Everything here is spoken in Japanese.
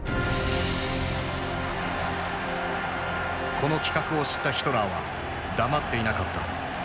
この企画を知ったヒトラーは黙っていなかった。